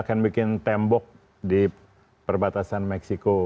akan bikin tembok di perbatasan meksiko